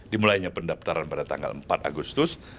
dimulainya pendaftaran pada tanggal empat agustus